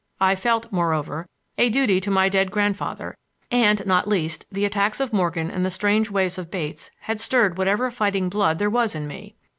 I felt, moreover, a duty to my dead grandfather; and—not least—the attacks of Morgan and the strange ways of Bates had stirred whatever fighting blood there was in me.